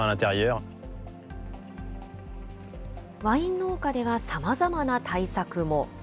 ワイン農家ではさまざまな対策も。